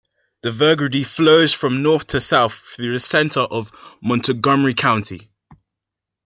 The Verdigris flows from north to south through the center of Montgomery County.